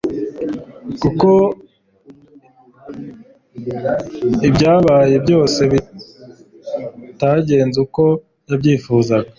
kuko ibyabaye byose bitagenze uko yabyifuzaga